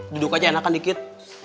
duduk aja enakan dikit